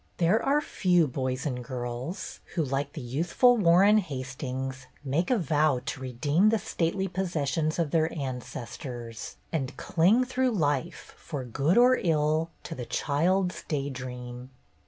There are few boys or girls who, like the youth ful Warren Hastings, make a vow to redeem the stately possessions of their ancestors, and cling through life, for good or ill, to the child's day dream.